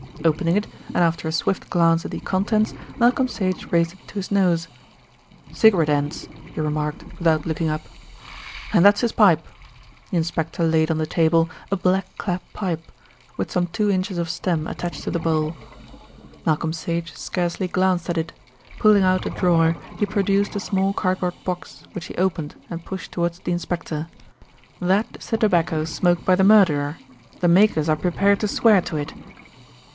Opening it, and after a swift glance at the contents, Malcolm Sage raised it to his nose: "Cigarette ends," he remarked without looking up. "And that's his pipe." The inspector laid on the table a black clap pipe, with some two inches of stem attached to the bowl. Malcolm Sage scarcely glanced at it. Pulling out a drawer he produced a small cardboard box, which he opened and pushed towards the inspector. "That is the tobacco smoked by the murderer. The makers are prepared to swear to it."